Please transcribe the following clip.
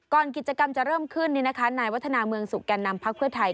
ก่อนกิจกรรมจะเริ่มขึ้นนี่นะคะนายวัฒนาเมืองสุกการนำพักเพื่อไทย